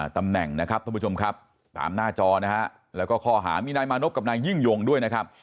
ตำแหน่งนะครับท่านผู้ชมครับตามหน้าจอนะฮะแล้วก็ข้อหามีนายมานพกับนายยิ่งยงด้วยนะครับ